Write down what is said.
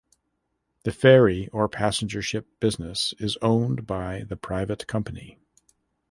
The ferry or passenger ship business is owned by the private company.